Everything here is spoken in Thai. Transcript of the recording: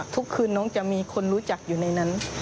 ทุกคืนน้องจะมีคนรู้จักอยู่ในนั้น